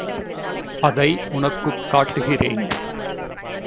அதை உனக்குக் காட்டுகிறேன்.